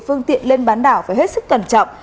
phương tiện lên bán đảo phải hết sức cẩn trọng